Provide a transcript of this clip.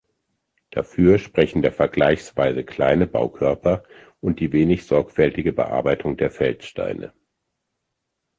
Dafür sprechen der vergleichsweise kleine Baukörper und die wenig sorgfältige Bearbeitung der Feldsteine.